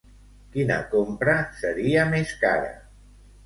Quina compra seria més cara?